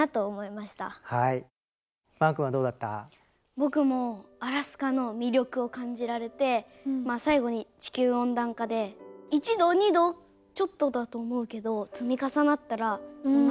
僕もアラスカの魅力を感じられて最後に地球温暖化で１度２度ちょっとだと思うけど積み重なったら何度にもなっていく。